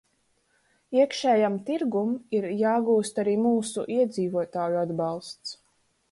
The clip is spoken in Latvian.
Iekšējam tirgum ir jāgūst arī mūsu iedzīvotāju atbalsts.